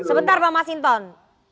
sebentar bang mas hinton